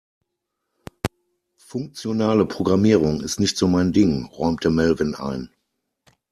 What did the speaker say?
Funktionale Programmierung ist nicht so mein Ding, räumte Melvin ein.